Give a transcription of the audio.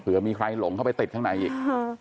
เพื่อมีใครหลงเข้าไปติดข้างในอีก